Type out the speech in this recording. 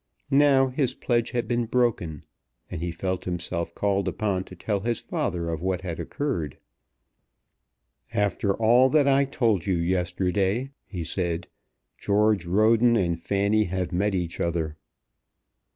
Now his pledge had been broken, and he felt himself called upon to tell his father of what had occurred. "After all that I told you yesterday," he said, "George Roden and Fanny have met each other."